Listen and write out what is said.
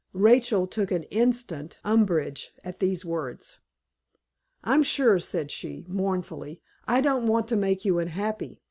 Rachel took instant umbrage at these words. "I'm sure," said she; mournfully, "I don't want to make you unhappy.